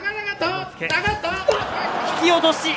引き落とし。